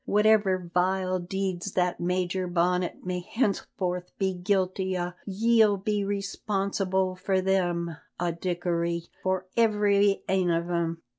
Whatever vile deeds that Major Bonnet may henceforth be guilty o' ye'll be responsible for them a', Dickory, for every ane o' them."